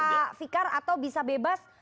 pak fikar atau bisa bebas